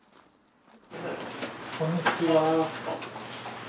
こんにちは。